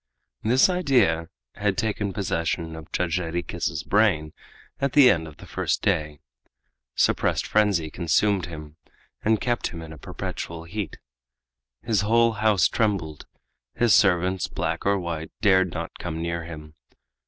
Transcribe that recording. This idea had taken possession of Judge Jarriquez's brain at the end of the first day. Suppressed frenzy consumed him, and kept him in a perpetual heat. His whole house trembled; his servants, black or white, dared not come near him.